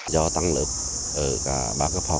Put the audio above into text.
do tăng lớp ở cả ba cấp học